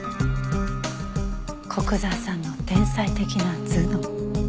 古久沢さんの天才的な頭脳。